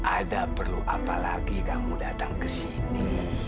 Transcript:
ada perlu apa lagi kamu datang kesini